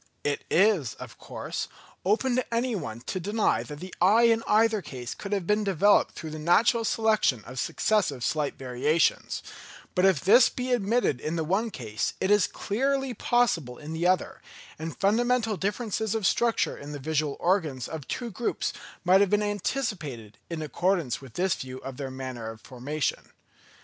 It is, of course, open to any one to deny that the eye in either case could have been developed through the natural selection of successive slight variations; but if this be admitted in the one case it is clearly possible in the other; and fundamental differences of structure in the visual organs of two groups might have been anticipated, in accordance with this view of their manner of formation.